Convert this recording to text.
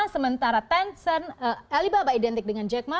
sementara tencent alibaba identik dengan jack ma